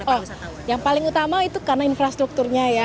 oh yang paling utama itu karena infrastrukturnya ya